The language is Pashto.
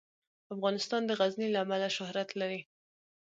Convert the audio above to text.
افغانستان د غزني له امله شهرت لري.